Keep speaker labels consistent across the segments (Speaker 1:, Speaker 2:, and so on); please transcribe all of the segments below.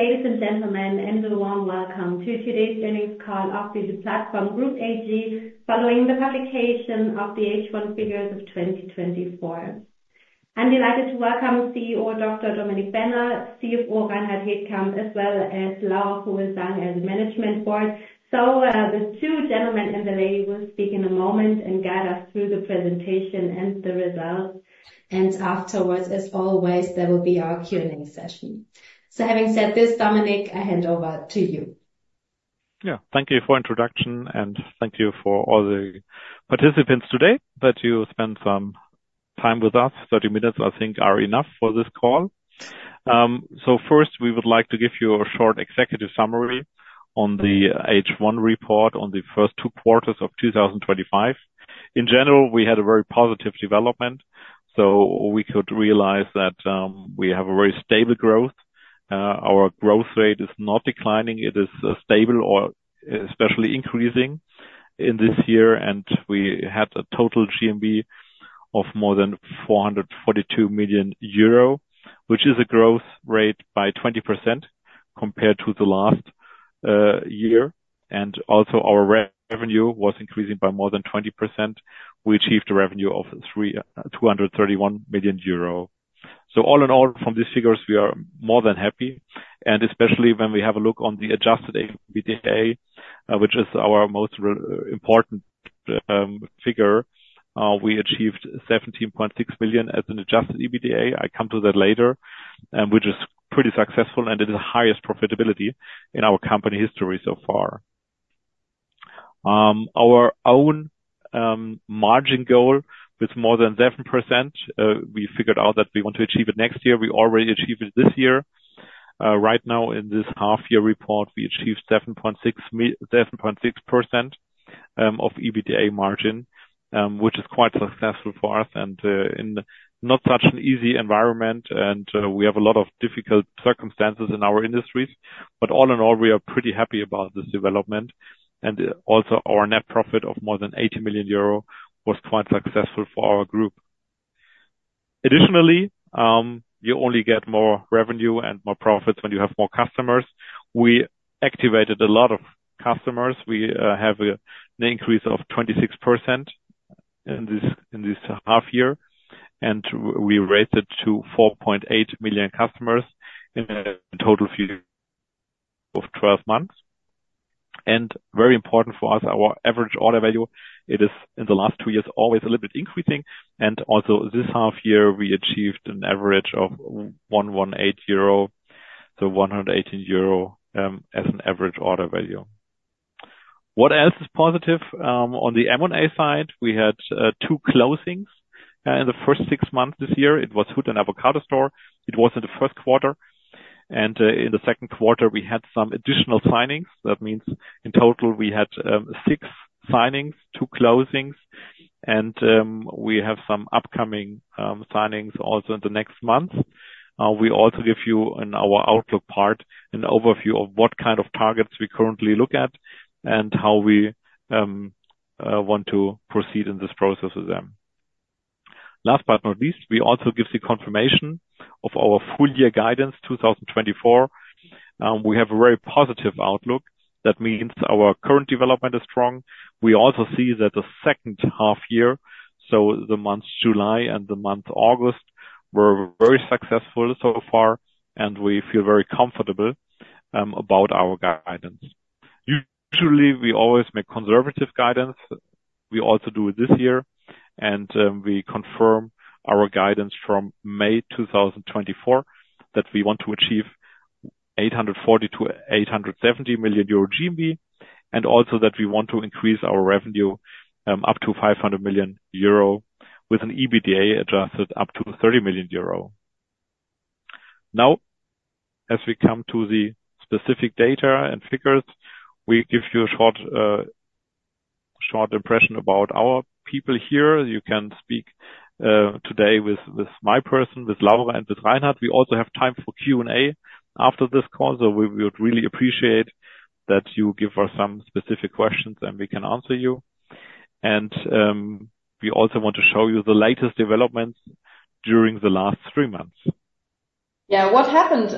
Speaker 1: Ladies and gentlemen, and a warm welcome to today's earnings call of The Platform Group AG, following the publication of the H1 figures of 2024. I'm delighted to welcome CEO Dr. Dominik Benner, CFO Reinhard Heidkamp, as well as Laura Hülslang as management board. So, the two gentlemen and the lady will speak in a moment and guide us through the presentation and the results, and afterwards, as always, there will be our Q&A session. So having said this, Dominik, I hand over to you.
Speaker 2: Yeah. Thank you for the introduction, and thank you for all the participants today, that you spend some time with us. Thirty minutes, I think, are enough for this call. First, we would like to give you a short executive summary on the H1 report on the first two quarters of 2025. In general, we had a very positive development, so we could realize that we have a very stable growth. Our growth rate is not declining, it is stable or especially increasing in this year, and we had a total GMV of more than 442 million euro, which is a growth rate by 20% compared to the last year. And also our revenue was increasing by more than 20%. We achieved a revenue of 231 million euro. So all in all, from these figures, we are more than happy, and especially when we have a look on the adjusted EBITDA, which is our most important figure. We achieved 17.6 million as an adjusted EBITDA. I come to that later, which is pretty successful, and it is the highest profitability in our company history so far. Our own margin goal with more than 7%, we figured out that we want to achieve it next year. We already achieved it this year. Right now, in this half year report, we achieved 7.6% of EBITDA margin, which is quite successful for us and in not such an easy environment. We have a lot of difficult circumstances in our industries, but all in all, we are pretty happy about this development. Also, our net profit of more than 80 million euro was quite successful for our group. Additionally, you only get more revenue and more profits when you have more customers. We activated a lot of customers. We have an increase of 26% in this half year, and we raised it to 4.8 million customers in a total view of 12 months. Very important for us, our average order value, it is in the last two years, always a little bit increasing, and also this half year, we achieved an average of 118 euro to 118 euro as an average order value. What else is positive? On the M&A side, we had two closings in the first six months this year. It was Hood and Avocadostore. It was in the first quarter, and in the second quarter, we had some additional signings. That means in total, we had six signings, two closings, and we have some upcoming signings also in the next month. We also give you in our outlook part, an overview of what kind of targets we currently look at, and how we want to proceed in this process with them. Last but not least, we also give the confirmation of our full year guidance, 2024. We have a very positive outlook. That means our current development is strong. We also see that the second half year, so the month July and the month August, were very successful so far, and we feel very comfortable about our guidance. Usually, we always make conservative guidance. We also do it this year, and we confirm our guidance from May 2024, that we want to achieve 840-870 million euro GMV, and also that we want to increase our revenue up to 500 million euro with an EBITDA adjusted up to 30 million euro. Now, as we come to the specific data and figures, we give you a short impression about our people here. You can speak today with my person, with Laura and with Reinhard. We also have time for Q&A after this call, so we would really appreciate that you give us some specific questions, and we can answer you. We also want to show you the latest developments during the last three months.
Speaker 3: Yeah, what happened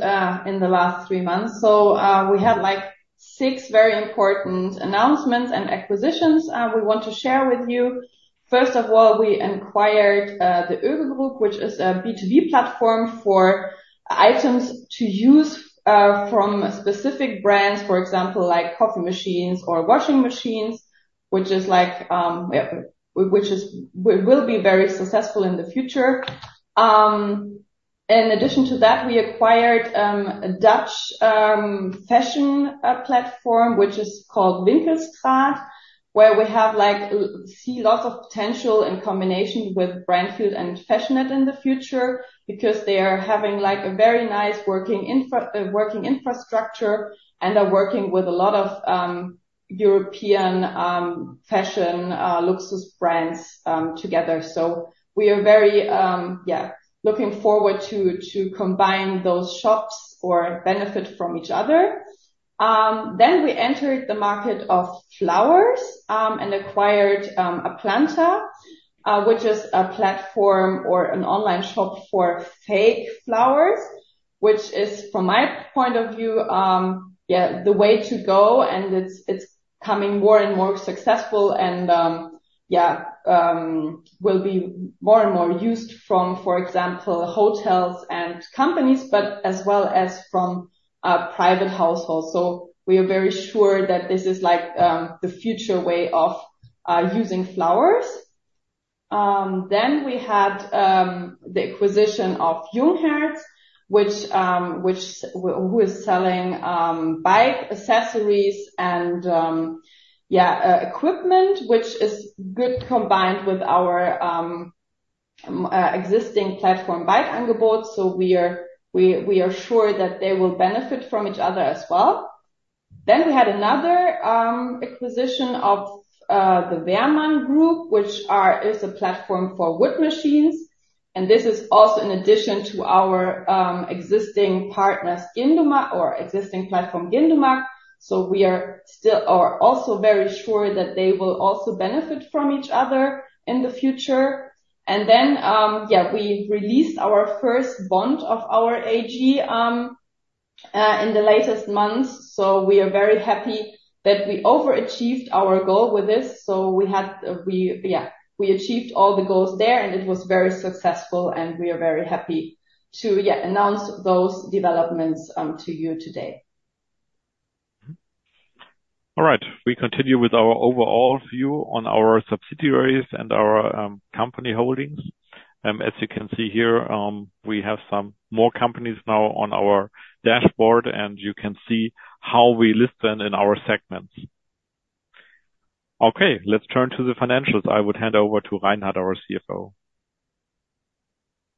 Speaker 3: in the last three months? So, we had, like, six very important announcements and acquisitions we want to share with you. First of all, we acquired the Olano, which is a B2B platform for items to use from specific brands, for example, like coffee machines or washing machines, which will be very successful in the future. In addition to that, we acquired a Dutch fashion platform, which is called Winkelstraat.nl, where we see lots of potential in combination with Brandfield and Fashionette in the future, because they are having, like, a very nice working infrastructure, and are working with a lot of European fashion luxury brands together. So we are very yeah looking forward to combine those shops or benefit from each other. Then we entered the market of flowers and acquired Aplanta which is a platform or an online shop for fake flowers which is from my point of view yeah the way to go and it's becoming more and more successful and yeah will be more and more used from for example hotels and companies but as well as from private households. So we are very sure that this is like the future way of using flowers. Then we had the acquisition of Junghans Wollversand which who is selling bike accessories and yeah equipment which is good combined with our existing platform Bike-Angebot. So we are sure that they will benefit from each other as well. Then we had another acquisition of the Wehrmann Group, which is a platform for wood machines, and this is also in addition to our existing partners, Gindumac, or existing platform, Gindumac. So we are still also very sure that they will also benefit from each other in the future, and then we released our first bond of our AG in the latest months. So we are very happy that we overachieved our goal with this. So we achieved all the goals there, and it was very successful, and we are very happy to announce those developments to you today.
Speaker 2: All right. We continue with our overall view on our subsidiaries and our company holdings. As you can see here, we have some more companies now on our dashboard, and you can see how we list them in our segments. Okay, let's turn to the financials. I would hand over to Reinhard, our CFO.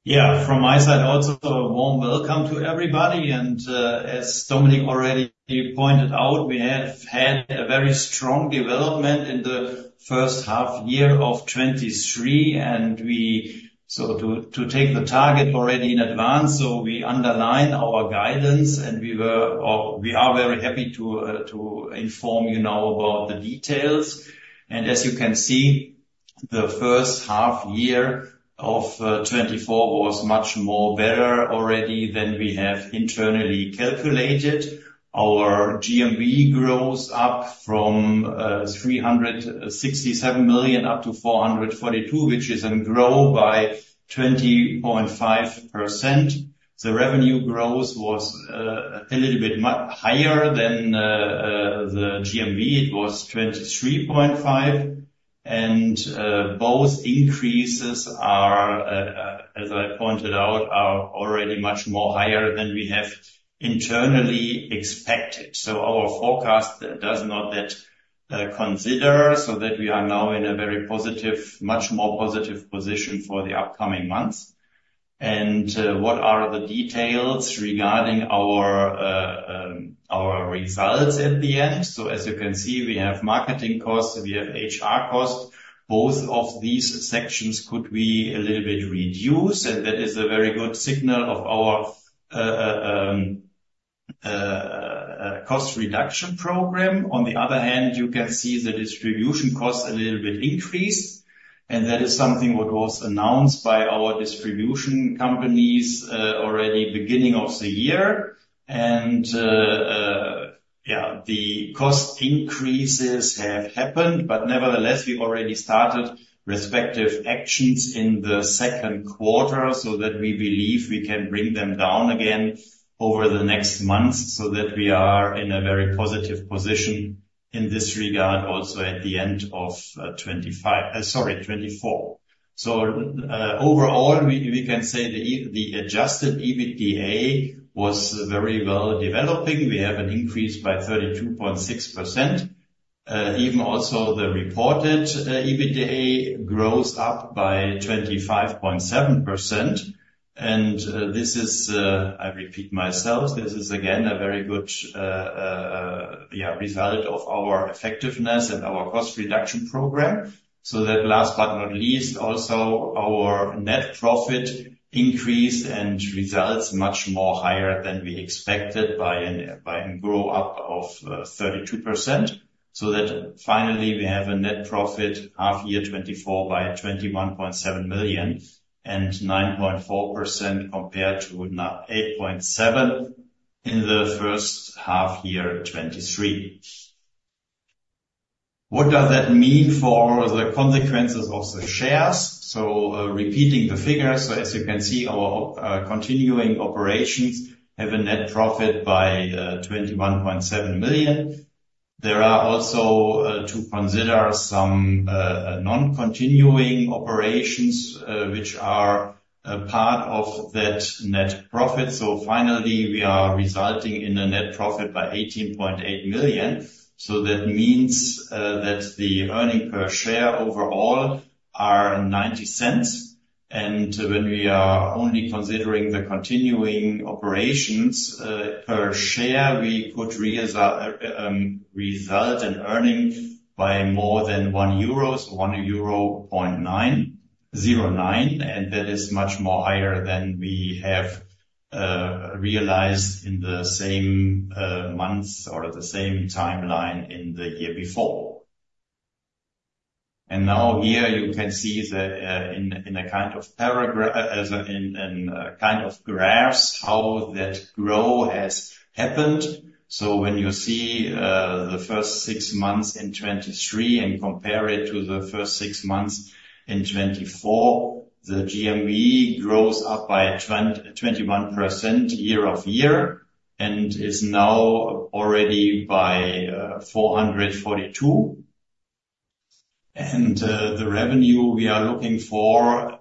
Speaker 4: Yeah. From my side also, a warm welcome to everybody, and, as Dominik already pointed out, we have had a very strong development in the first half year of 2023, and we. So to take the target already in advance, so we underline our guidance, and we were, or we are very happy to inform you now about the details. And as you can see, the first half year of 2024 was much more better already than we have internally calculated. Our GMV grows up from 367 million up to 442 million, which is a grow by 20.5%. The revenue growth was a little bit higher than the GMV. It was 23.5, and both increases are, as I pointed out, are already much more higher than we have internally expected, so our forecast does not yet consider, so that we are now in a very positive, much more positive position for the upcoming months, and what are the details regarding our results at the end? So as you can see, we have marketing costs, we have HR costs. Both of these sections could be a little bit reduced, and that is a very good signal of our cost reduction program. On the other hand, you can see the distribution costs a little bit increase, and that is something what was announced by our distribution companies, already beginning of the year. Yeah, the cost increases have happened, but nevertheless, we already started respective actions in the second quarter, so that we believe we can bring them down again over the next months, so that we are in a very positive position in this regard, also at the end of 2025, sorry, 2024. Overall, we can say the adjusted EBITDA was very well developing. We have an increase by 32.6%. Even also the reported EBITDA grows up by 25.7%. This is, I repeat myself, this is again a very good yeah result of our effectiveness and our cost reduction program. That last but not least, also our net profit increased and results much more higher than we expected by a growth of 32%. That finally, we have a net profit half year 2024 by 21.7 million and 9.4% compared to now 8.7 in the first half year 2023. What does that mean for the consequences of the shares? Repeating the figures, as you can see, our continuing operations have a net profit by 21.7 million. There are also to consider some non-continuing operations, which are a part of that net profit. So finally, we are resulting in a net profit by 18.8 million. That means that the earnings per share overall are 90 cents, and when we are only considering the continuing operations per share, we could result in earnings by more than 1.09 euro, and that is much higher than we have realized in the same months or the same timeline in the year before. Here you can see in a kind of paragraph, in kind of graphs, how that growth has happened. When you see the first six months in 2023 and compare it to the first six months in 2024, the GMV grows up by 21% year over year, and is now already by 442. The revenue we are looking for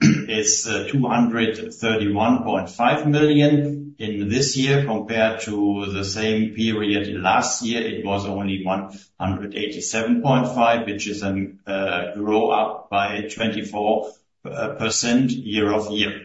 Speaker 4: is 231.5 million in this year, compared to the same period last year, it was only 187.5 million, which is a growth of 24% year over year.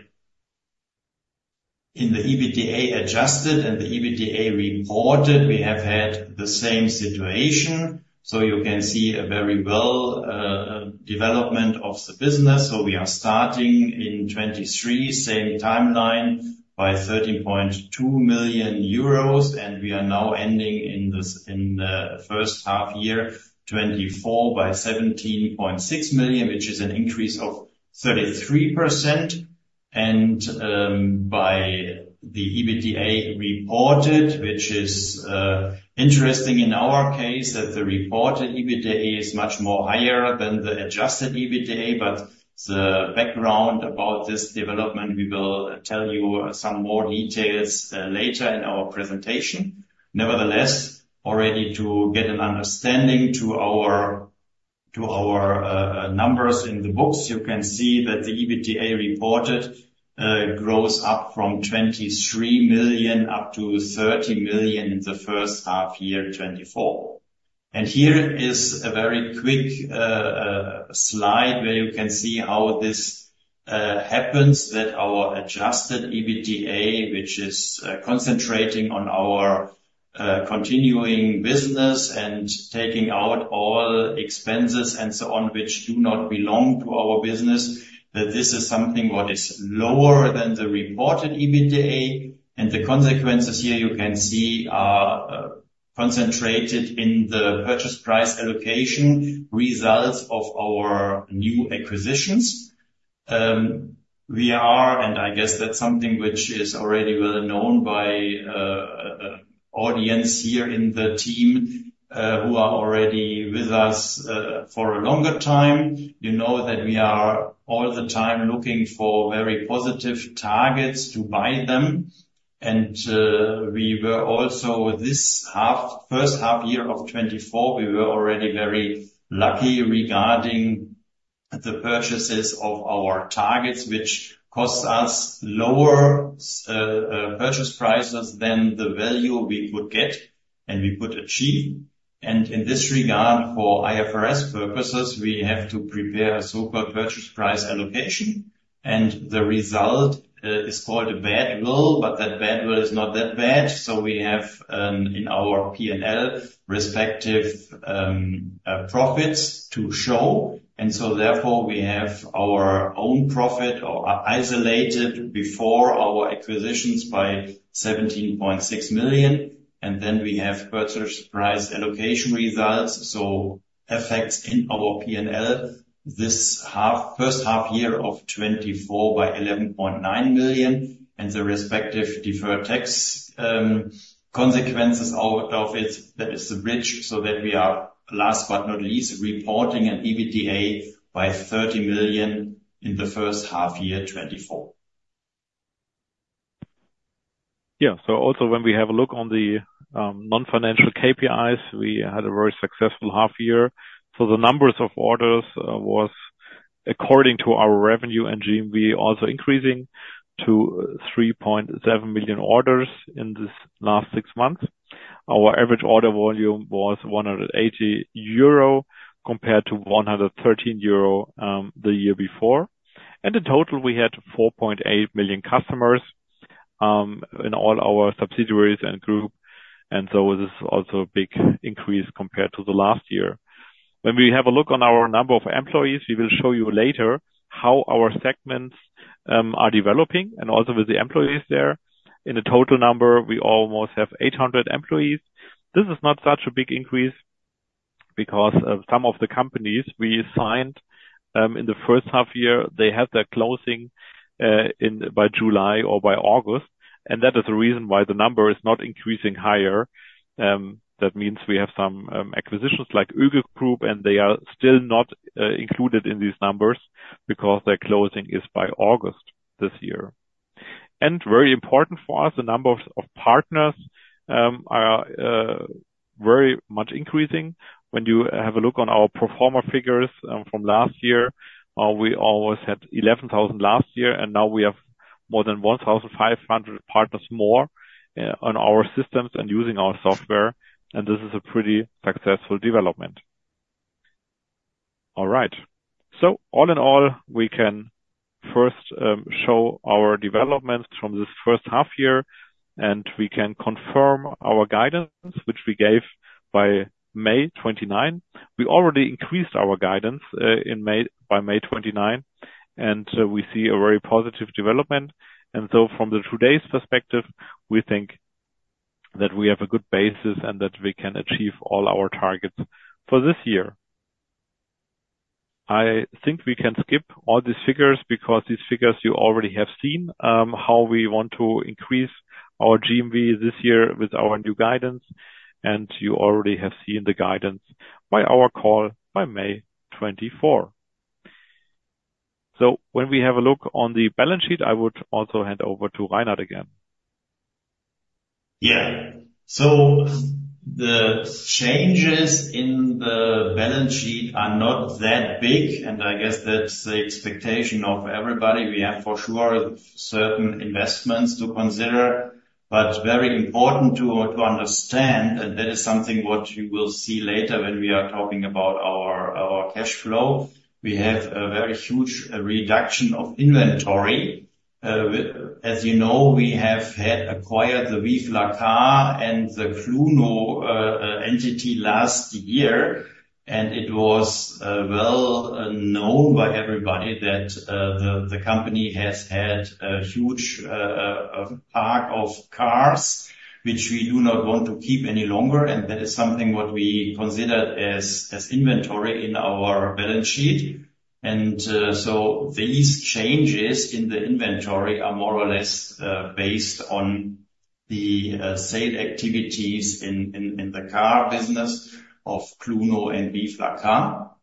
Speaker 4: In the adjusted EBITDA and the reported EBITDA, we have had the same situation. So you can see a very good development of the business. So we are starting in 2023, same timeline, by 13.2 million euros, and we are now ending in this, in the first half year, 2024 by 17.6 million, which is an increase of 33%. By the reported EBITDA, which is interesting in our case, that the reported EBITDA is much more higher than the adjusted EBITDA, but the background about this development, we will tell you some more details later in our presentation. Nevertheless, already to get an understanding to our numbers in the books, you can see that the reported EBITDA grows up from 23 million up to 30 million in the first half year, 2024. Here is a very quick slide where you can see how this happens, that our adjusted EBITDA, which is concentrating on our continuing business and taking out all expenses and so on, which do not belong to our business, that this is something what is lower than the reported EBITDA. The consequences here, you can see are concentrated in the purchase price allocation results of our new acquisitions. We are, and I guess that's something which is already well known by audience here in the team, who are already with us, for a longer time. You know that we are all the time looking for very positive targets to buy them. We were also in this first half year of 2024 very lucky regarding the purchases of our targets, which cost us lower purchase prices than the value we could get and we could achieve. In this regard, for IFRS purposes, we have to prepare a so-called purchase price allocation, and the result is called a badwill, but that badwill is not that bad. So we have, in our P&L respective, profits to show. And so therefore, we have our own profit or isolated before our acquisitions by 17.6 million, and then we have purchase price allocation results, so effects in our P&L this half, first half year of 2024 by 11.9 million, and the respective deferred tax, consequences out of it. That is the bridge, so that we are, last but not least, reporting an EBITDA by 30 million in the first half year, 2024.
Speaker 2: Yeah. So also when we have a look on the non-financial KPIs, we had a very successful half year. So the numbers of orders was according to our revenue and GMV, also increasing to 3.7 million orders in this last six months. Our average order volume was 180 euro, compared to 113 euro, the year before. And in total, we had 4.8 million customers in all our subsidiaries and group, and so this is also a big increase compared to the last year. When we have a look on our number of employees, we will show you later how our segments are developing, and also with the employees there. In a total number, we almost have 800 employees. This is not such a big increase because some of the companies we signed in the first half year had their closing in by July or by August, and that is the reason why the number is not increasing higher. That means we have some acquisitions like Üggl Group, and they are still not included in these numbers because their closing is by August this year. Very important for us, the number of partners are very much increasing. When you have a look on our platform figures from last year, we always had eleven thousand last year, and now we have more than one thousand five hundred partners more on our systems and using our software, and this is a pretty successful development. All right. So all in all, we can-... First, show our developments from this first half year, and we can confirm our guidance, which we gave by May 29. We already increased our guidance, in May, by May 29, and we see a very positive development. And so from today's perspective, we think that we have a good basis and that we can achieve all our targets for this year. I think we can skip all these figures, because these figures you already have seen, how we want to increase our GMV this year with our new guidance, and you already have seen the guidance by our call by May 24. So when we have a look on the balance sheet, I would also hand over to Reinhard again.
Speaker 4: Yeah, so the changes in the balance sheet are not that big, and I guess that's the expectation of everybody. We have, for sure, certain investments to consider, but very important to understand, and that is something what you will see later when we are talking about our cash flow. We have a very huge reduction of inventory. As you know, we have had acquired the ViveLaCar and the Cluno entity last year, and it was well known by everybody that the company has had a huge park of cars, which we do not want to keep any longer, and that is something what we considered as inventory in our balance sheet. These changes in the inventory are more or less based on the sale activities in the car business of Cluno and ViveLaCar.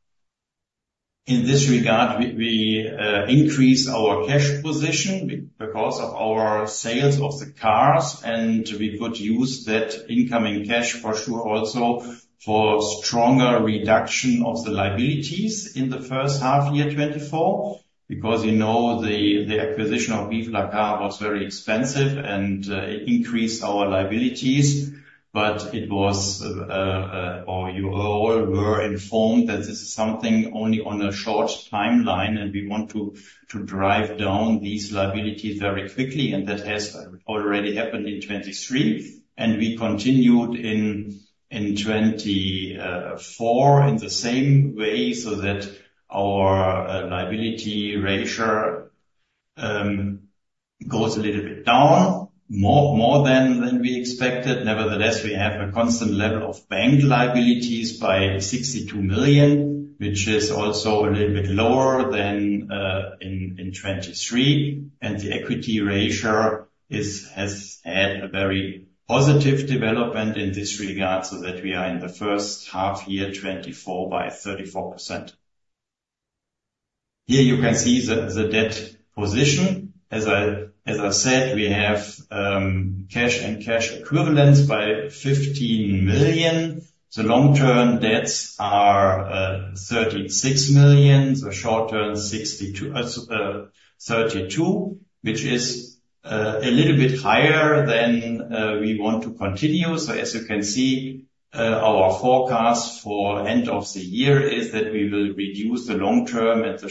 Speaker 4: In this regard, we increase our cash position because of our sales of the cars, and we could use that incoming cash for sure, also for stronger reduction of the liabilities in the first half year 2024. Because, you know, the acquisition of ViveLaCar was very expensive and it increased our liabilities, but it was or you all were informed that this is something only on a short timeline, and we want to drive down these liabilities very quickly, and that has already happened in 2023, and we continued in 2024 in the same way, so that our liability ratio goes a little bit down, more than we expected. Nevertheless, we have a constant level of bank liabilities by 62 million, which is also a little bit lower than in 2023. And the equity ratio has had a very positive development in this regard, so that we are in the first half year, 2024 by 34%. Here you can see the debt position. As I said, we have cash and cash equivalents of 15 million. The long-term debts are 36 million, the short-term 62.32 million, which is a little bit higher than we want to continue. So as you can see, our forecast for end of the year is that we will reduce the long term and the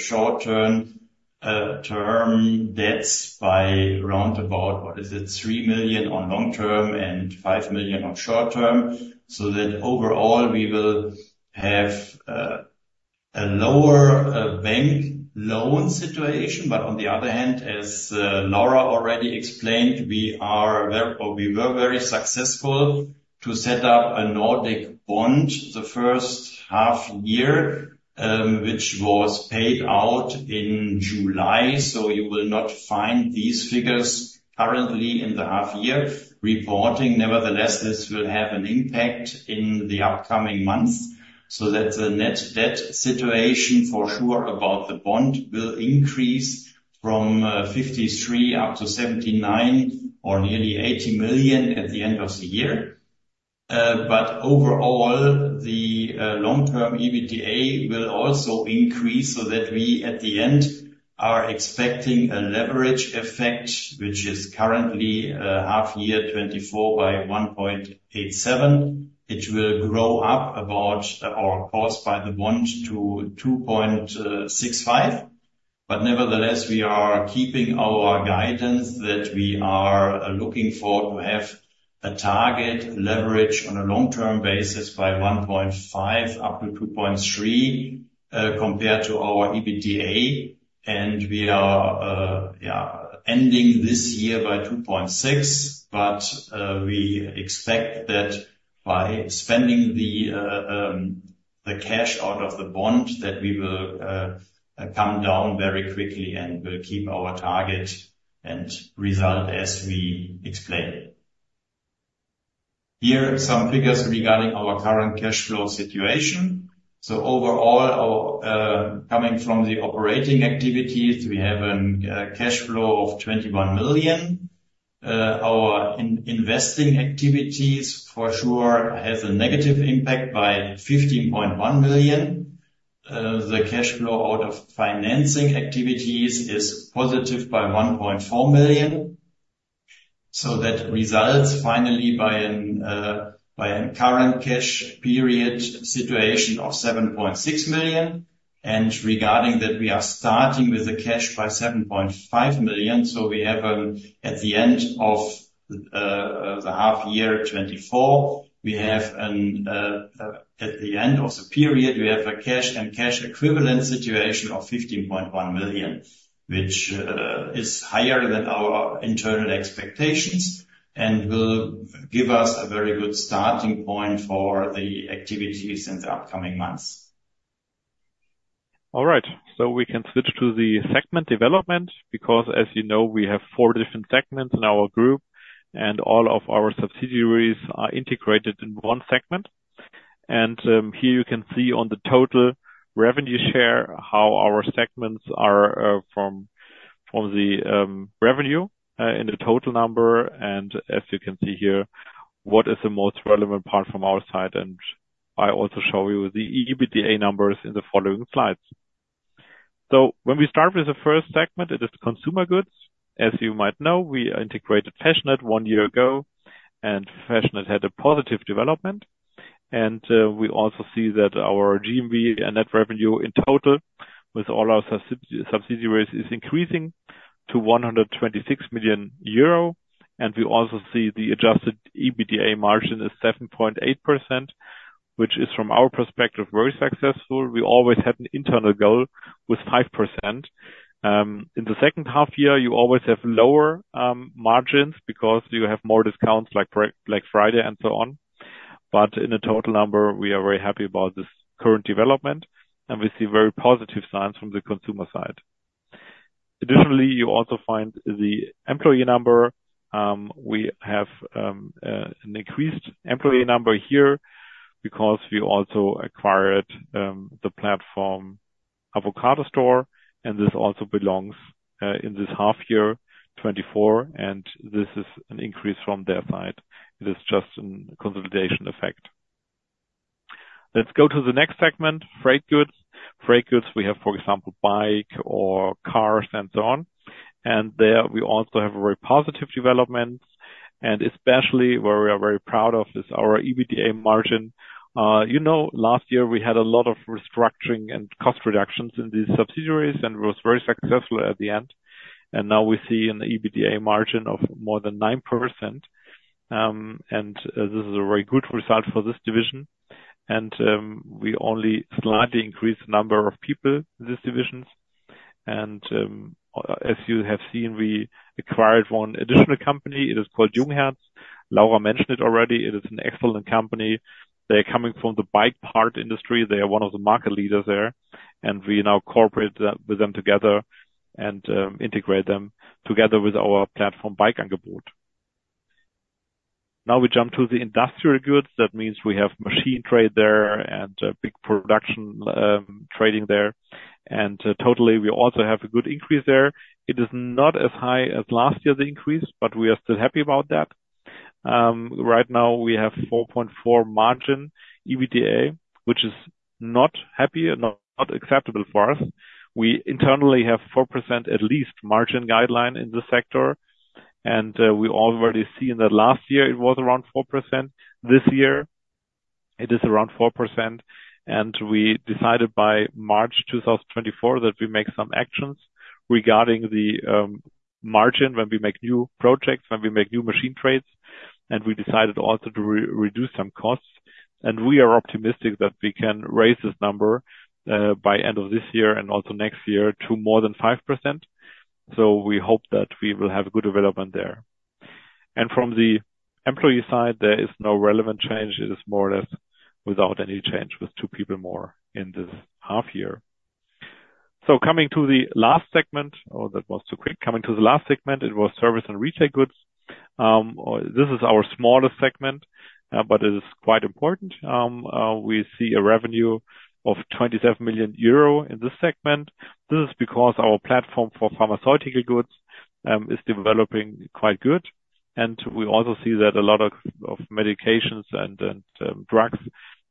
Speaker 4: short-term debts by around about, what is it? 3 million on long term and 5 million on short term. So that overall, we will have a lower bank loan situation. But on the other hand, as Laura already explained, we are very, or we were very successful to set up a Nordic bond the first half year, which was paid out in July, so you will not find these figures currently in the half year reporting. Nevertheless, this will have an impact in the upcoming months, so that the net debt situation for sure, about the bond, will increase from 53 million up to 79 million or nearly 80 million at the end of the year. But overall, the long-term EBITDA will also increase, so that we, at the end, are expecting a leverage effect, which is currently half year 2024 by 1.87. It will grow up about, or caused by the bond to 2.65. But nevertheless, we are keeping our guidance that we are looking for to have a target leverage on a long-term basis by 1.5-2.3 compared to our EBITDA. And we are yeah ending this year by 2.6. But we expect that by spending the cash out of the bond, that we will come down very quickly and will keep our target and result as we explained. Here are some figures regarding our current cash flow situation. So overall, our coming from the operating activities, we have a cash flow of 21 million. Our investing activities for sure has a negative impact by 15.1 million. The cash flow out of financing activities is positive by 1.4 million. So that results finally by a current cash period situation of 7.6 million. And regarding that, we are starting with a cash by 7.5 million. At the end of the half year 2024, we have a cash and cash equivalent situation of 15.1 million, which is higher than our internal expectations and will give us a very good starting point for the activities in the upcoming months.
Speaker 2: All right, so we can switch to the segment development, because as you know, we have four different segments in our group, and all of our subsidiaries are integrated in one segment. And here you can see on the total revenue share, how our segments are from the revenue in the total number, and as you can see here, what is the most relevant part from our side, and I also show you the EBITDA numbers in the following slides. So when we start with the first segment, it is the consumer goods. As you might know, we integrated Fashionette one year ago, and Fashionette had a positive development. And we also see that our GMV and net revenue in total, with all our subsidiaries, is increasing to 126 million euro. We also see the adjusted EBITDA margin is 7.8%, which is, from our perspective, very successful. We always had an internal goal with 5%. In the second half year, you always have lower margins because you have more discounts, like Black Friday and so on. But in a total number, we are very happy about this current development, and we see very positive signs from the consumer side. Additionally, you also find the employee number. We have an increased employee number here because we also acquired the platform, Avocadostore, and this also belongs in this half year, 2024, and this is an increase from their side. It is just a consolidation effect. Let's go to the next segment, freight goods. Freight goods, we have, for example, bike or cars and so on. And there, we also have a very positive development, and especially where we are very proud of is our EBITDA margin. You know, last year we had a lot of restructuring and cost reductions in these subsidiaries, and it was very successful at the end. And now we see an EBITDA margin of more than 9%, and this is a very good result for this division. We only slightly increased the number of people in this division. As you have seen, we acquired one additional company. It is called Junghans. Laura mentioned it already. It is an excellent company. They're coming from the bike part industry. They are one of the market leaders there, and we now cooperate with them together and integrate them together with our platform, Bike-Angebot. Now we jump to the industrial goods. That means we have machine trade there and big production trading there, and totally, we also have a good increase there. It is not as high as last year, the increase, but we are still happy about that. Right now we have 4.4 EBITDA margin, which is not happy and not acceptable for us. We internally have 4%, at least, margin guideline in this sector. We already seen that last year, it was around 4%. This year, it is around 4%, and we decided by March 2024 that we make some actions regarding the margin when we make new projects, when we make new machine trades, and we decided also to reduce some costs. We are optimistic that we can raise this number by end of this year and also next year to more than 5%. So we hope that we will have a good development there. And from the employee side, there is no relevant change. It is more or less without any change, with two people more in this half year. So coming to the last segment, it was service and retail goods. This is our smallest segment, but it is quite important. We see a revenue of 27 million euro in this segment. This is because our platform for pharmaceutical goods is developing quite good. And we also see that a lot of medications and drugs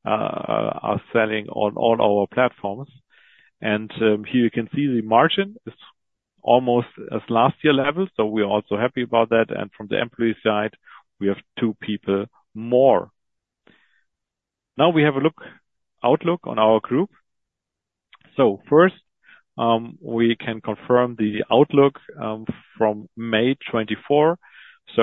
Speaker 2: are selling on all our platforms. And here you can see the margin is almost as last year level, so we are also happy about that. And from the employee side, we have two people more. Now we have an outlook on our group. First, we can confirm the outlook from May 2024.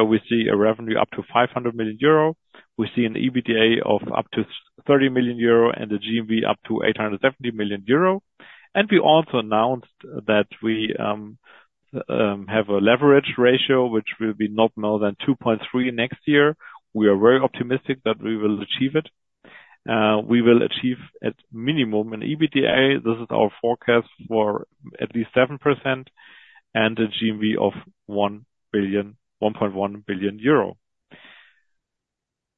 Speaker 2: We see a revenue up to 500 million euro. We see an EBITDA of up to 30 million euro and a GMV up to 870 million euro. We also announced that we have a leverage ratio which will be not more than 2.3 next year. We are very optimistic that we will achieve it. We will achieve at minimum an EBITDA; this is our forecast for at least 7%, and a GMV of 1.1 billion euro.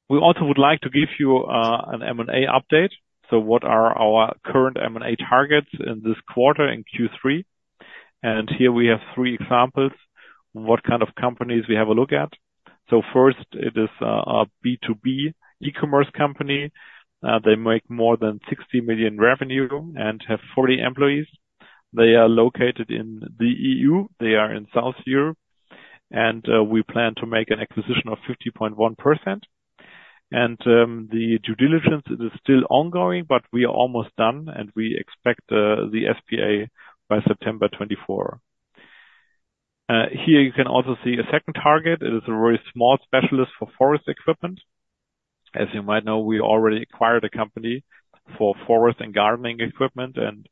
Speaker 2: We also would like to give you an M&A update. What are our current M&A targets in this quarter, in Q3? Here we have three examples, what kind of companies we have a look at. First, it is a B2B e-commerce company. They make more than 60 million revenue and have 40 employees. They are located in the EU. They are in South Europe, and we plan to make an acquisition of 50.1%. The due diligence is still ongoing, but we are almost done, and we expect the SPA by September 2024. Here you can also see a second target. It is a very small specialist for forest equipment. As you might know, we already acquired a company for forest and gardening equipment, and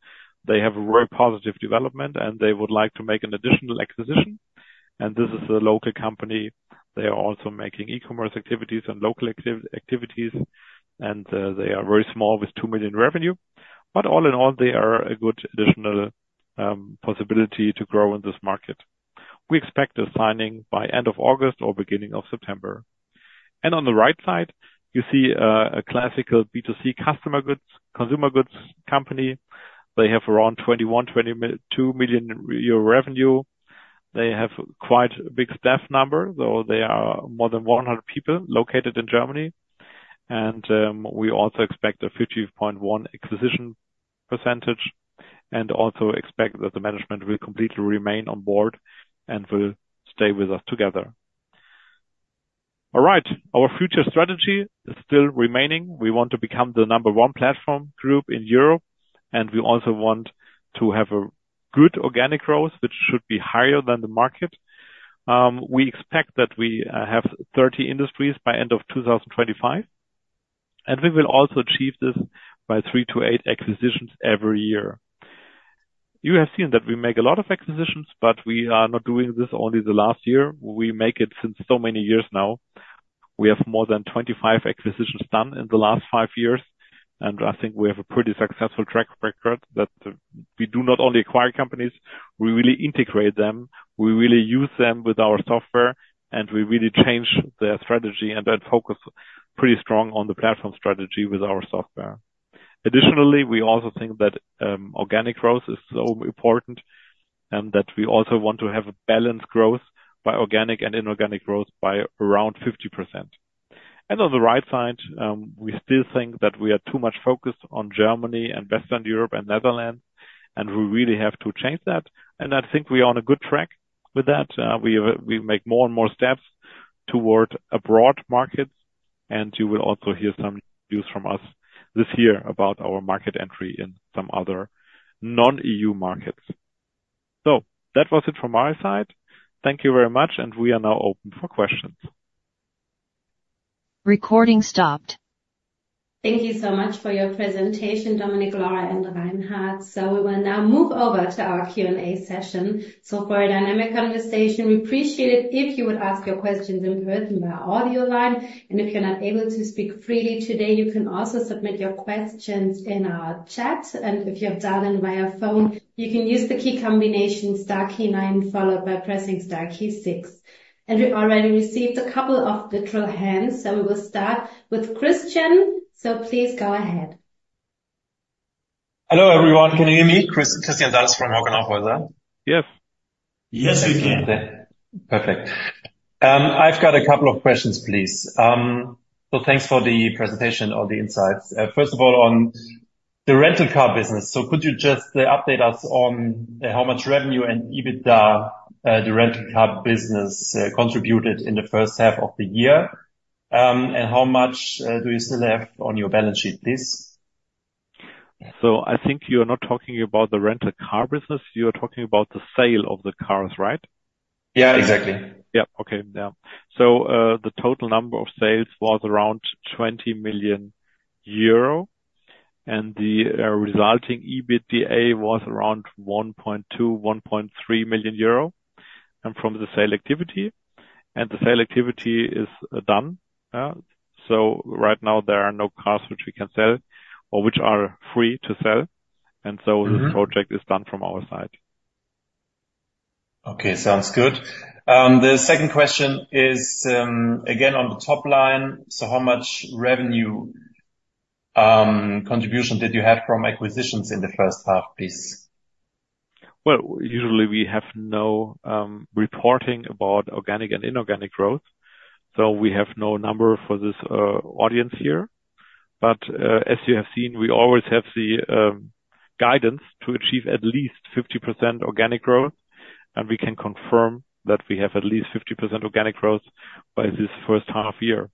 Speaker 2: they have a very positive development, and they would like to make an additional acquisition. This is a local company. They are also making e-commerce activities and local activities, and they are very small with 2 million EUR revenue. But all in all, they are a good additional possibility to grow in this market. We expect a signing by end of August or beginning of September. And on the right side, you see a classical B2C consumer goods company. They have around 2 million euro revenue. They have quite a big staff number, so they are more than 100 people located in Germany. And we also expect a 50.1% acquisition percentage, and also expect that the management will completely remain on board and will stay with us together. All right, our future strategy is still remaining. We want to become the number one platform group in Europe, and we also want to have a good organic growth, which should be higher than the market. We expect that we have thirty industries by end of 2025, and we will also achieve this by three to eight acquisitions every year. You have seen that we make a lot of acquisitions, but we are not doing this only the last year. We make it since so many years now. We have more than 25 acquisitions done in the last five years, and I think we have a pretty successful track record, that we do not only acquire companies, we really integrate them, we really use them with our software, and we really change their strategy and then focus pretty strong on the platform strategy with our software. Additionally, we also think that organic growth is so important, and that we also want to have a balanced growth by organic and inorganic growth by around 50%, and on the right side, we still think that we are too much focused on Germany and Western Europe and Netherlands, and we really have to change that, and I think we are on a good track with that, we make more and more steps toward abroad markets, and you will also hear some news from us this year about our market entry in some other non-EU markets, so that was it from my side. Thank you very much, and we are now open for questions.
Speaker 5: Recording stopped.
Speaker 1: Thank you so much for your presentation, Dominik, Laura, and Reinhard. So we will now move over to our Q&A session. So for a dynamic conversation, we appreciate it if you would ask your questions in person via audio line, and if you're not able to speak freely today, you can also submit your questions in our chat. And if you have done it via phone, you can use the key combination star key nine, followed by pressing star key six. And we already received a couple of digital hands, so we will start with Christian. So please go ahead.
Speaker 6: Hello, everyone. Can you hear me? Christian Salis from Hauck Aufhäuser Lampe.
Speaker 2: Yep. Yes, we can.
Speaker 6: Perfect. I've got a couple of questions, please. So thanks for the presentation on the insights. First of all, on the rental car business, so could you just update us on how much revenue and EBITDA the rental car business contributed in the first half of the year? And how much do you still have on your balance sheet, please?
Speaker 2: I think you're not talking about the rental car business, you are talking about the sale of the cars, right?
Speaker 6: Yeah, exactly.
Speaker 2: Yep. Okay. Yeah. So, the total number of sales was around 20 million euro, and the resulting EBITDA was around 1.2-1.3 million euro from the sale activity. And the sale activity is done, so right now there are no cars which we can sell or which are free to sell, and so-
Speaker 6: Mm-hmm.
Speaker 2: The project is done from our side.
Speaker 6: Okay, sounds good. The second question is, again, on the top line. So how much revenue contribution did you have from acquisitions in the first half, please?
Speaker 2: Usually we have no reporting about organic and inorganic growth, so we have no number for this audience here. As you have seen, we always have the guidance to achieve at least 50% organic growth, and we can confirm that we have at least 50% organic growth by this first half year.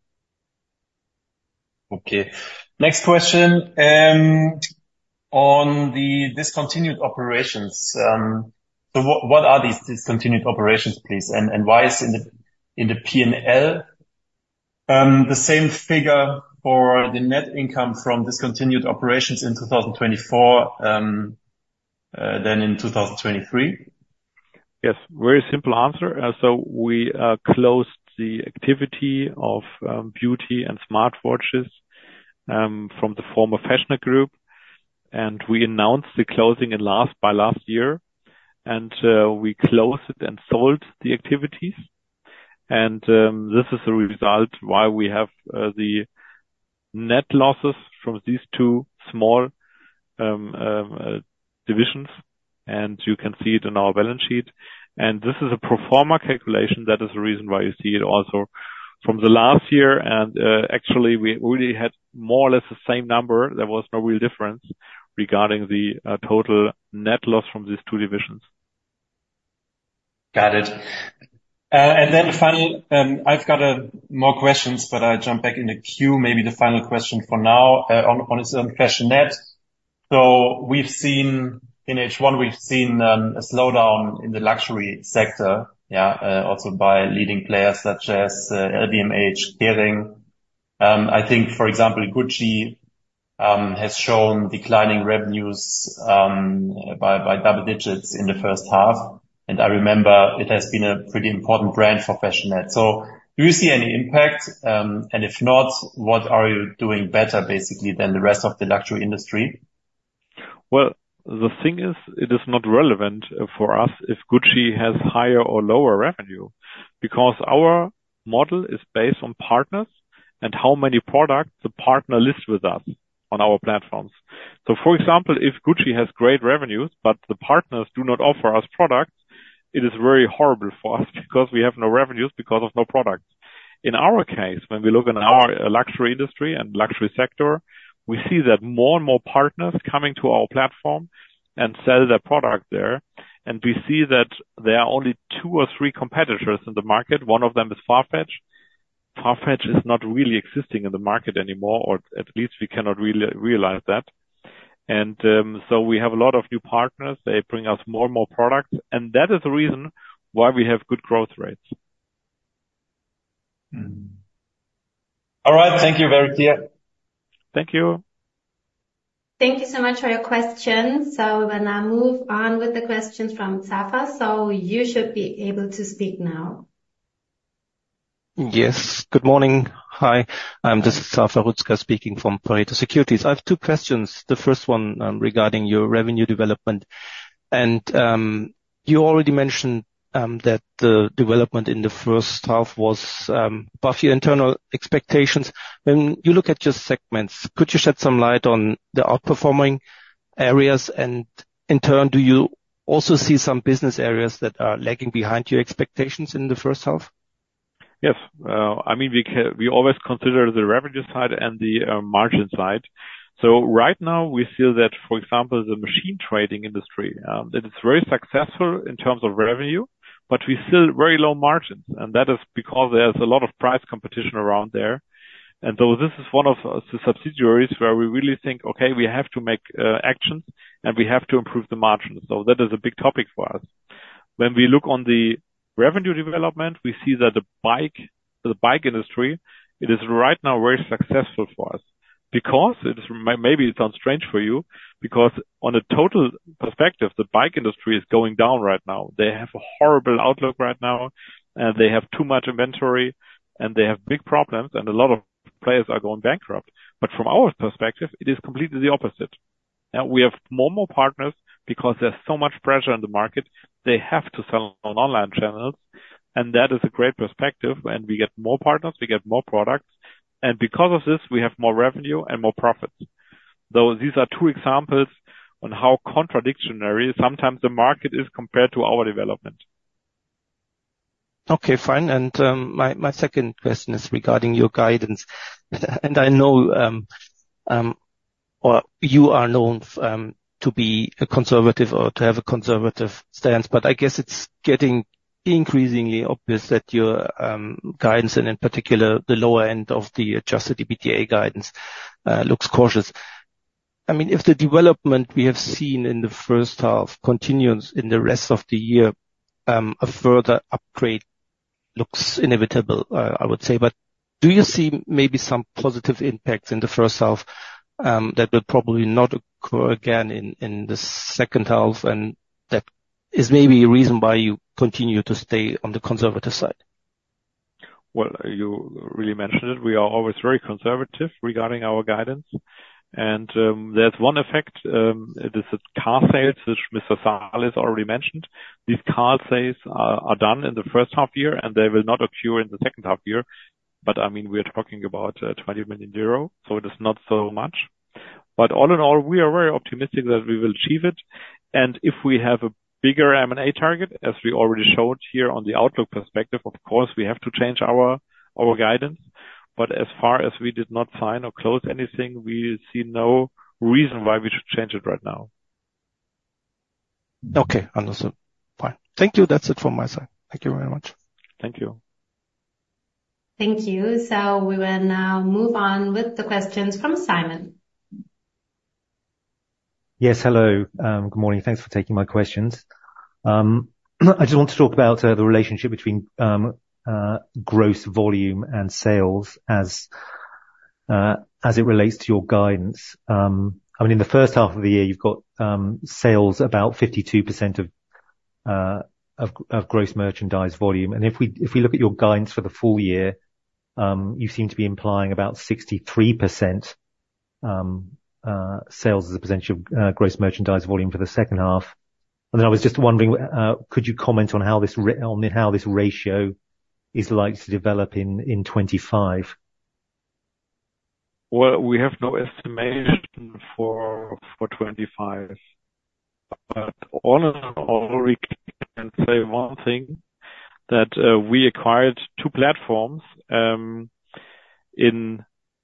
Speaker 6: Okay. Next question, on the discontinued operations. So what are these discontinued operations, please? And why is in the P&L the same figure for the net income from discontinued operations in 2024 than in 2023?
Speaker 2: Yes, very simple answer. So we closed the activity of beauty and smart watches from the former fashionette group, and we announced the closing in last-- by last year, and we closed and sold the activities. And this is a result why we have the net losses from these two small divisions, and you can see it in our balance sheet. And this is a pro forma calculation. That is the reason why you see it also-... from the last year, and actually, we already had more or less the same number. There was no real difference regarding the total net loss from these two divisions.
Speaker 5: Got it. And then final, I've got more questions, but I jump back in the queue. Maybe the final question for now, on its own, Fashionette. So we've seen, in H1, a slowdown in the luxury sector, also by leading players such as LVMH, Kering. I think, for example, Gucci, has shown declining revenues by double digits in the first half, and I remember it has been a pretty important brand for Fashionette. So do you see any impact? And if not, what are you doing better, basically, than the rest of the luxury industry?
Speaker 2: The thing is, it is not relevant for us if Gucci has higher or lower revenue, because our model is based on partners and how many products the partner lists with us on our platforms. So for example, if Gucci has great revenues, but the partners do not offer us products, it is very horrible for us because we have no revenues because of no products. In our case, when we look at our luxury industry and luxury sector, we see that more and more partners coming to our platform and sell their product there, and we see that there are only two or three competitors in the market. One of them is Farfetch. Farfetch is not really existing in the market anymore, or at least we cannot realize that. So we have a lot of new partners. They bring us more and more products, and that is the reason why we have good growth rates.
Speaker 5: All right. Thank you, very clear.
Speaker 2: Thank you.
Speaker 1: Thank you so much for your question, so we will now move on with the questions from Zafar, so you should be able to speak now.
Speaker 7: Yes. Good morning. Hi, this is Zafer Rüzgar speaking from Pareto Securities. I have two questions. The first one, regarding your revenue development, and, you already mentioned, that the development in the first half was, above your internal expectations. When you look at your segments, could you shed some light on the outperforming areas, and in turn, do you also see some business areas that are lagging behind your expectations in the first half?
Speaker 2: Yes. I mean, we always consider the revenue side and the margin side. So right now we feel that, for example, the machine trading industry, it is very successful in terms of revenue, but we still very low margins, and that is because there's a lot of price competition around there, and so this is one of the subsidiaries where we really think, "Okay, we have to make actions, and we have to improve the margins," so that is a big topic for us. When we look on the revenue development, we see that the bike industry, it is right now very successful for us. Because it is... Maybe it sounds strange for you, because on a total perspective, the bike industry is going down right now. They have a horrible outlook right now, and they have too much inventory, and they have big problems, and a lot of players are going bankrupt. But from our perspective, it is completely the opposite. We have more and more partners. Because there's so much pressure on the market, they have to sell on online channels, and that is a great perspective, and we get more partners, we get more products, and because of this, we have more revenue and more profits. So these are two examples on how contradictory sometimes the market is compared to our development.
Speaker 7: Okay, fine. And my second question is regarding your guidance. And I know, or you are known, to be a conservative or to have a conservative stance, but I guess it's getting increasingly obvious that your guidance and in particular, the lower end of the adjusted EBITDA guidance looks cautious. I mean, if the development we have seen in the first half continues in the rest of the year, a further upgrade looks inevitable, I would say, but do you see maybe some positive impacts in the first half, that will probably not occur again in the second half, and that is maybe a reason why you continue to stay on the conservative side?
Speaker 2: You really mentioned it. We are always very conservative regarding our guidance, and there's one effect, it is the car sales, which Mr. Salis has already mentioned. These car sales are done in the first half year, and they will not occur in the second half year. But I mean, we're talking about 20 million euro, so it is not so much. But all in all, we are very optimistic that we will achieve it, and if we have a bigger M&A target, as we already showed here on the outlook perspective, of course, we have to change our guidance, but as far as we did not sign or close anything, we see no reason why we should change it right now.
Speaker 7: Okay, understood. Fine. Thank you. That's it from my side. Thank you very much.
Speaker 2: Thank you.
Speaker 1: Thank you. So we will now move on with the questions from Simon.
Speaker 5: Yes. Hello, good morning. Thanks for taking my questions. I just want to talk about the relationship between gross volume and sales as it relates to your guidance. I mean, in the first half of the year, you've got sales about 52% of gross merchandise volume. And if we look at your guidance for the full year, you seem to be implying about 63% sales as a potential gross merchandise volume for the second half. And then I was just wondering, could you comment on how this ratio is likely to develop in 2025?
Speaker 2: We have no estimation for 2025. But all in all, we can say one thing, that we acquired two platforms in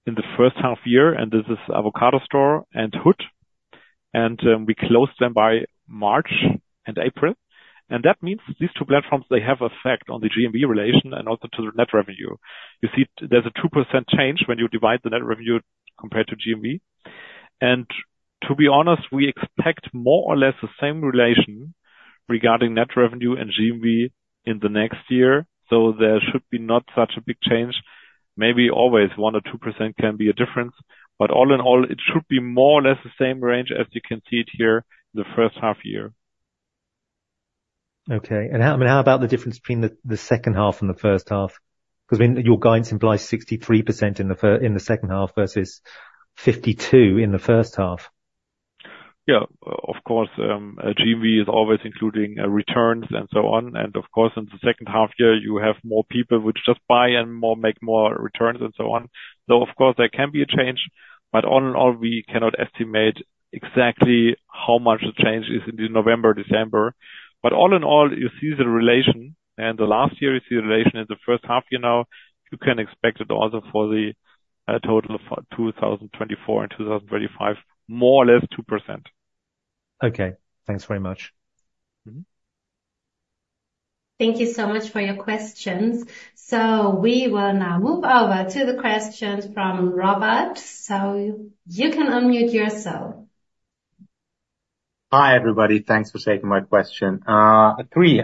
Speaker 2: the first half year, and this is Avocadostore and Hood, and we closed them by March and April. And that means these two platforms, they have effect on the GMV relation and also to the net revenue. You see, there's a 2% change when you divide the net revenue compared to GMV. And to be honest, we expect more or less the same relation regarding net revenue and GMV in the next year, so there should be not such a big change. Maybe always 1% or 2% can be a difference, but all in all, it should be more or less the same range as you can see it here in the first half year.
Speaker 5: Okay, and how about the difference between the second half and the first half? 'Cause when your guidance implies 63% in the second half versus 52 in the first half.
Speaker 2: Yeah. Of course, GMV is always including returns and so on. And of course, in the second half year, you have more people which just buy and more returns and so on. So of course, there can be a change, but all in all, we cannot estimate exactly how much the change is in November, December. But all in all, you see the relation, and the last year, you see the relation in the first half year. Now, you can expect it also for the total of 2024 and 2025, more or less 2%.
Speaker 5: Okay. Thanks very much.
Speaker 2: Mm-hmm.
Speaker 1: Thank you so much for your questions. So we will now move over to the questions from Robert. So you can unmute yourself.
Speaker 8: Hi, everybody. Thanks for taking my question. Three,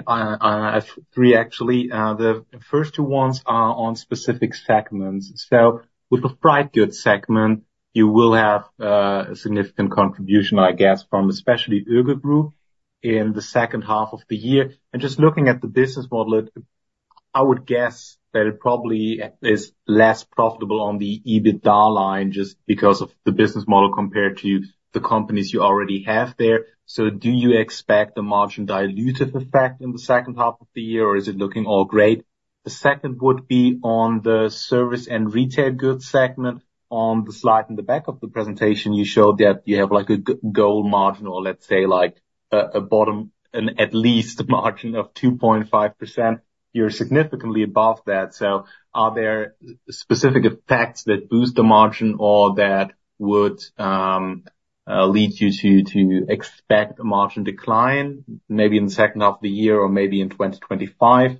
Speaker 8: actually. The first two ones are on specific segments. So with the Freight Goods segment, you will have a significant contribution, I guess, from especially OEGE Group in the second half of the year. And just looking at the business model, I would guess that it probably is less profitable on the EBITDA line, just because of the business model compared to the companies you already have there. So do you expect the margin dilutive effect in the second half of the year, or is it looking all great? The second would be on the service and retail goods segment. On the slide in the back of the presentation, you showed that you have, like, a goal margin or let's say, like, a bottom an at least margin of 2.5%. You're significantly above that. So are there specific effects that boost the margin or that would lead you to expect a margin decline, maybe in the second half of the year or maybe in 2025?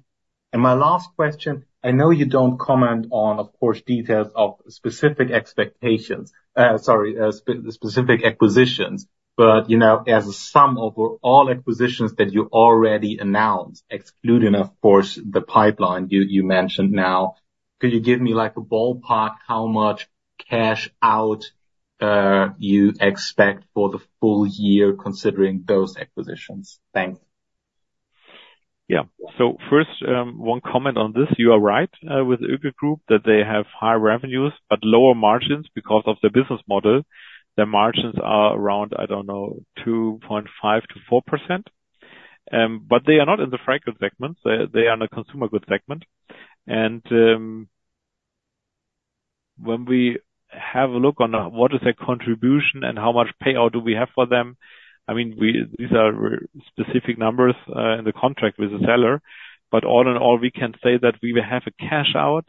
Speaker 8: And my last question, I know you don't comment on, of course, details of specific expectations, sorry, specific acquisitions, but, you know, as a sum of all acquisitions that you already announced, excluding of course, the pipeline you mentioned now, could you give me, like, a ballpark, how much cash out you expect for the full year considering those acquisitions? Thanks.
Speaker 2: Yeah. First, one comment on this. You are right, with OEGE Group, that they have high revenues but lower margins because of the business model. Their margins are around, I don't know, 2.5-4%. But they are not in the freight segment. They are in the consumer goods segment, and when we have a look on what is their contribution and how much payout do we have for them, I mean, these are specific numbers in the contract with the seller. But all in all, we can say that we will have a cash out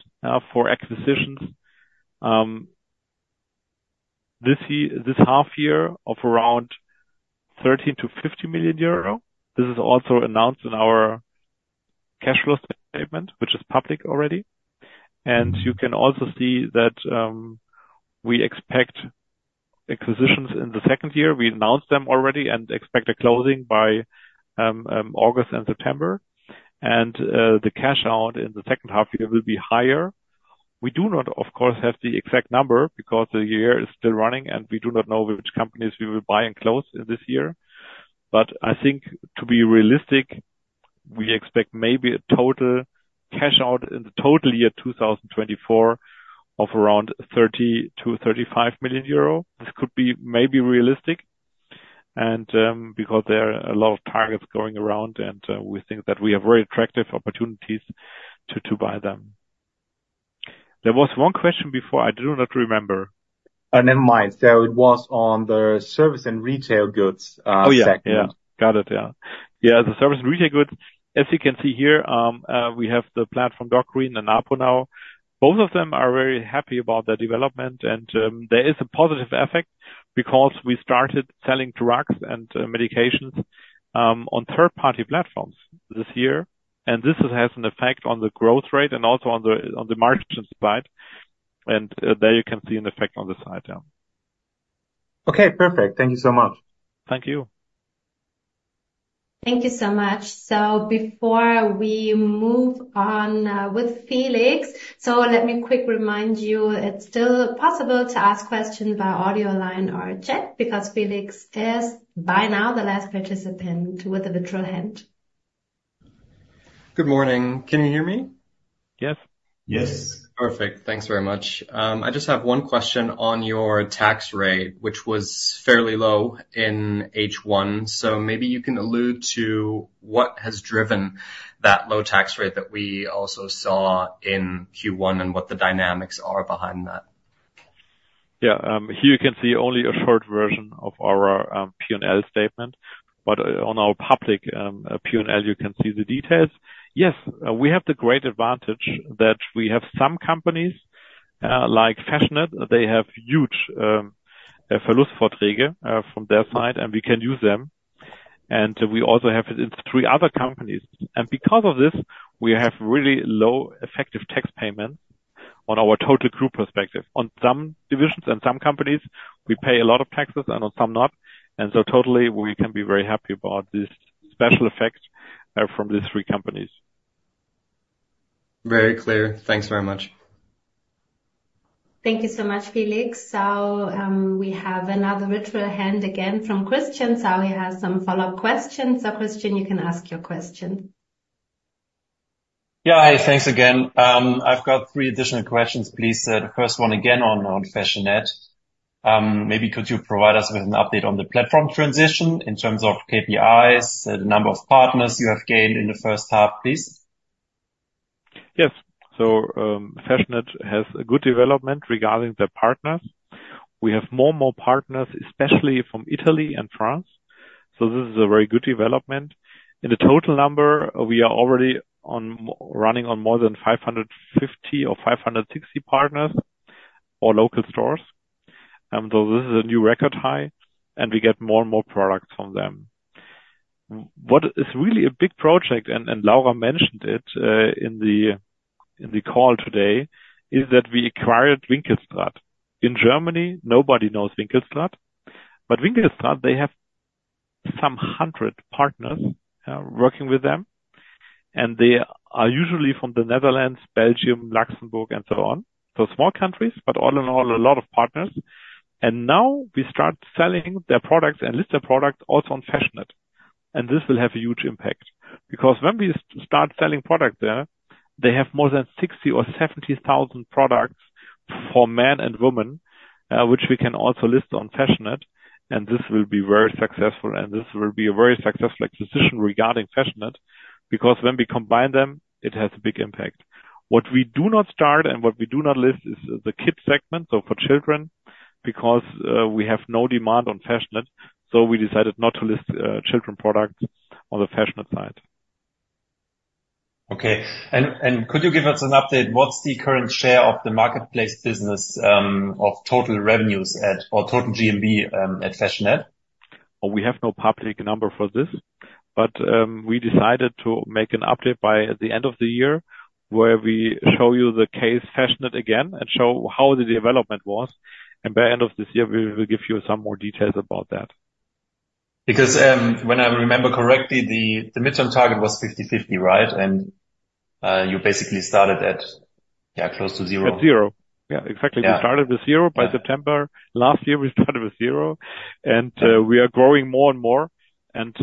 Speaker 2: for acquisitions, this half year of around 13-50 million euro. This is also announced in our cash flow statement, which is public already. You can also see that we expect acquisitions in the second year. We announced them already and expect a closing by August and September. The cash out in the second half year will be higher. We do not, of course, have the exact number because the year is still running, and we do not know which companies we will buy and close in this year. I think, to be realistic, we expect maybe a total cash out in the total year 2024 of around 30-35 million euro. This could be maybe realistic and because there are a lot of targets going around, and we think that we have very attractive opportunities to buy them. There was one question before. I do not remember.
Speaker 8: Never mind. So it was on the service and retail goods.
Speaker 2: Oh, yeah...
Speaker 8: segment.
Speaker 2: Yeah. Got it, yeah. Yeah, the service and retail goods, as you can see here, we have the platform, DocGreen and ApoNow. Both of them are very happy about their development, and there is a positive effect because we started selling drugs and medications on third-party platforms this year, and this has an effect on the growth rate and also on the margins side, and there you can see an effect on the side, yeah.
Speaker 8: Okay, perfect. Thank you so much.
Speaker 2: Thank you.
Speaker 1: Thank you so much, so before we move on with Felix, so let me quick remind you, it's still possible to ask questions via audio line or chat, because Felix is by now the last participant with a virtual hand.
Speaker 9: Good morning. Can you hear me?
Speaker 2: Yes.
Speaker 8: Yes.
Speaker 9: Perfect. Thanks very much. I just have one question on your tax rate, which was fairly low in H1. So maybe you can allude to what has driven that low tax rate that we also saw in Q1, and what the dynamics are behind that?...
Speaker 2: Yeah, here you can see only a short version of our P&L statement, but on our public P&L, you can see the details. Yes, we have the great advantage that we have some companies like Fashionette, they have huge from their side, and we can use them. And we also have it in three other companies. And because of this, we have really low effective tax payment on our total group perspective. On some divisions and some companies, we pay a lot of taxes, and on some not. And so totally, we can be very happy about this special effect from these three companies.
Speaker 4: Very clear. Thanks very much.
Speaker 1: Thank you so much, Felix. So, we have another virtual hand again from Christian, so he has some follow-up questions. So, Christian, you can ask your question.
Speaker 6: Yeah, hi. Thanks again. I've got three additional questions, please. The first one, again, on Fashionette. Maybe could you provide us with an update on the platform transition in terms of KPIs, the number of partners you have gained in the first half, please?
Speaker 2: Yes. So, Fashionette has a good development regarding their partners. We have more, more partners, especially from Italy and France, so this is a very good development. In the total number, we are already running on more than five hundred and fifty or five hundred and sixty partners or local stores. So this is a new record high, and we get more and more products from them. What is really a big project, and Laura mentioned it in the call today, is that we acquired Winkelstraat.nl. In Germany, nobody knows Winkelstraat.nl, but Winkelstraat.nl, they have some hundred partners working with them, and they are usually from the Netherlands, Belgium, Luxembourg, and so on. So small countries, but all in all, a lot of partners. And now we start selling their products and list their products also on Fashionette, and this will have a huge impact. Because when we start selling product there, they have more than 60 or 70 thousand products for men and women, which we can also list on Fashionette, and this will be very successful, and this will be a very successful acquisition regarding Fashionette, because when we combine them, it has a big impact. What we do not start and what we do not list is the kids segment, so for children, because we have no demand on Fashionette, so we decided not to list children products on the Fashionette side.
Speaker 6: Okay. And could you give us an update, what's the current share of the marketplace business of total revenues at, or total GMV at Fashionette?
Speaker 2: We have no public number for this, but we decided to make an update by the end of the year, where we show you the case Fashionette again and show how the development was, and by end of this year, we will give you some more details about that.
Speaker 6: Because when I remember correctly, the midterm target was fifty-fifty, right, and you basically started at, yeah, close to zero.
Speaker 2: At zero. Yeah, exactly.
Speaker 6: Yeah.
Speaker 2: We started with zero-
Speaker 6: Yeah.
Speaker 2: By September last year, we started with zero. We are growing more and more, and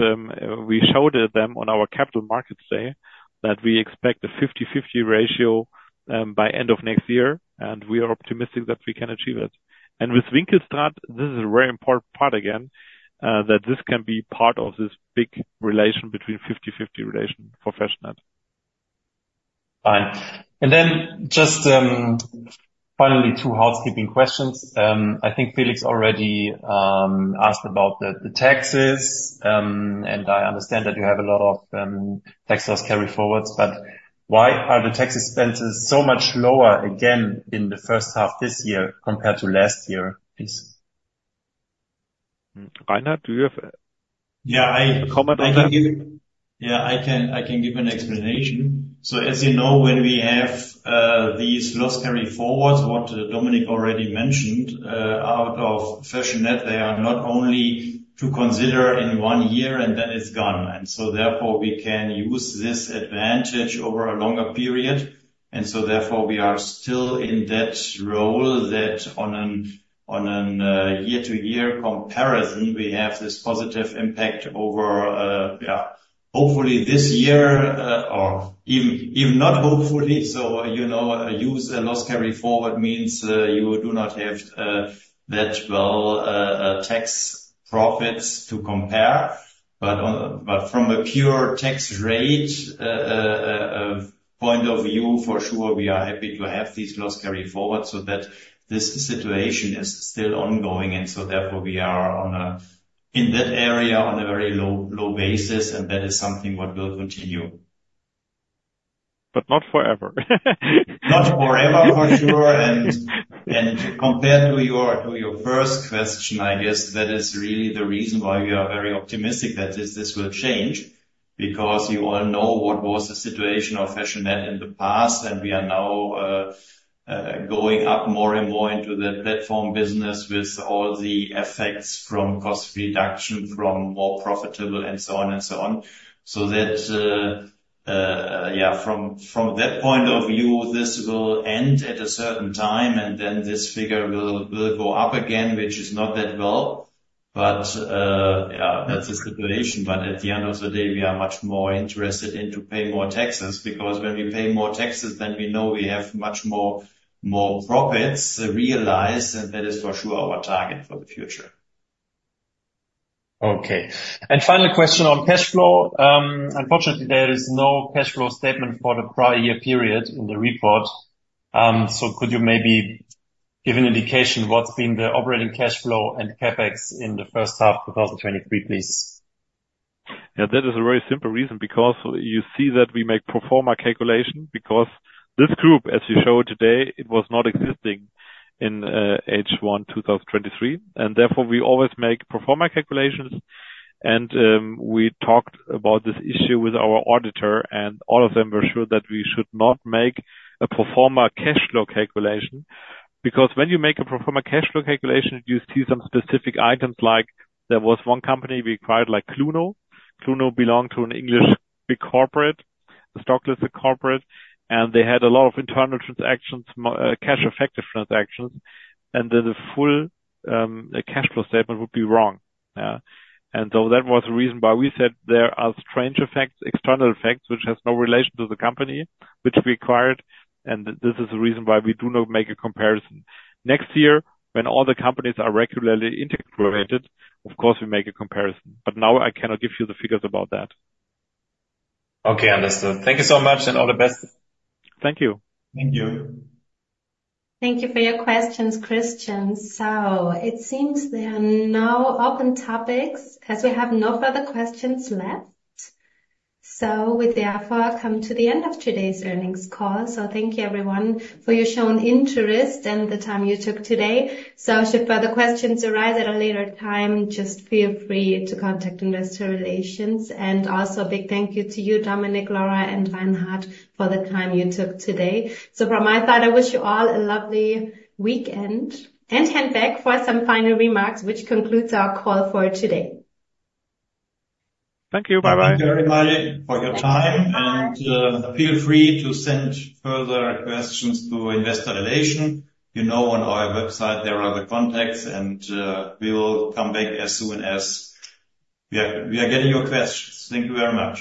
Speaker 2: we showed them on our capital markets day that we expect a fifty-fifty ratio by end of next year, and we are optimistic that we can achieve it. With Winkelstraat.nl, this is a very important part again that this can be part of this big relation between fifty-fifty relation for Fashionette.
Speaker 6: Fine. And then just, finally, two housekeeping questions. I think Felix already asked about the taxes, and I understand that you have a lot of tax loss carryforwards, but why are the tax expenses so much lower again in the first half this year compared to last year, please?
Speaker 2: Reinhard, do you have-
Speaker 4: Yeah, I-... Yeah, I can give an explanation. So as you know, when we have these loss carryforwards, what Dominik already mentioned out of Fashionette, they are not only to consider in one year, and then it's gone. And so therefore, we are still in that role, that on an year-to-year comparison, we have this positive impact over, yeah, hopefully this year, or even not hopefully. So, you know, use a loss carryforward means you do not have that, well, tax profits to compare. But from a pure tax rate point of view, for sure, we are happy to have these loss carryforwards so that this situation is still ongoing, and so therefore we are, in that area, on a very low basis, and that is something what will continue.
Speaker 2: But not forever.
Speaker 4: Not forever, for sure. And compared to your first question, I guess that is really the reason why we are very optimistic that this will change, because you all know what was the situation of Fashionette in the past, and we are now going up more and more into the platform business with all the effects from cost reduction, from more profitable, and so on and so on. So that, yeah, from that point of view, this will end at a certain time, and then this figure will go up again, which is not that well. But, yeah, that's the situation. But at the end of the day, we are much more interested in to pay more taxes, because when we pay more taxes, then we know we have much more profits to realize, and that is for sure our target for the future. ...
Speaker 6: Okay. And final question on cash flow. Unfortunately, there is no cash flow statement for the prior year period in the report. So could you maybe give an indication what's been the operating cash flow and CapEx in the first half of 2023, please?
Speaker 2: Yeah, that is a very simple reason, because you see that we make pro forma calculation, because this group, as you show today, it was not existing in H1 2023, and therefore, we always make pro forma calculations. And we talked about this issue with our auditor, and all of them were sure that we should not make a pro forma cash flow calculation. Because when you make a pro forma cash flow calculation, you see some specific items, like there was one company we acquired, like Cluno. Cluno belonged to an English big corporate, stock-listed corporate, and they had a lot of internal transactions, cash-effective transactions, and then the full cash flow statement would be wrong, yeah. And so that was the reason why we said there are strange effects, external effects, which has no relation to the company which we acquired, and this is the reason why we do not make a comparison. Next year, when all the companies are regularly integrated, of course, we make a comparison, but now I cannot give you the figures about that.
Speaker 6: Okay, understood. Thank you so much, and all the best.
Speaker 2: Thank you.
Speaker 4: Thank you.
Speaker 1: Thank you for your questions, Christian. So it seems there are no open topics as we have no further questions left. So we therefore come to the end of today's earnings call. So thank you, everyone, for your shown interest and the time you took today. So should further questions arise at a later time, just feel free to contact Investor Relations. And also, a big thank you to you, Dominik, Laura, and Reinhard, for the time you took today. So from my side, I wish you all a lovely weekend, and head back for some final remarks, which concludes our call for today.
Speaker 2: Thank you. Bye-bye.
Speaker 4: Thank you, everybody, for your time-
Speaker 1: Thank you very much.
Speaker 4: And feel free to send further questions to Investor Relations. You know, on our website, there are the contacts, and we will come back as soon as we are getting your questions. Thank you very much.